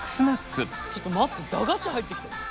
ちょっと待って駄菓子入ってきた。